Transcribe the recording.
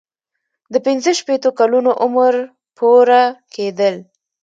د پنځه شپیتو کلونو عمر پوره کیدل.